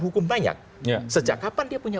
hukum banyak sejak kapan dia punya